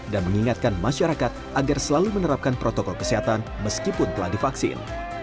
dan mengingatkan masyarakat agar selalu menerapkan protokol kesehatan meskipun telah divaksin